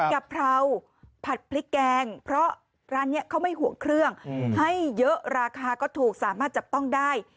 กะเพราผัดพริกแกงเพราะร้านนี้เขาไม่ห่วงเครื่องให้เยอะราคาก็ถูกสามารถจับต้องได้